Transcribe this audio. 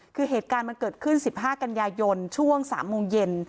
คือเหตุการณ์มันเกิดขึ้น๑๕กันยายนช่วง๓โมงเย็น